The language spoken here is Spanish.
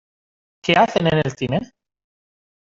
¿Qué hacen en el cine?